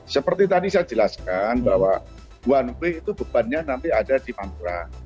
seperti tadi saya jelaskan bahwa one way itu bebannya nanti ada di mangkurang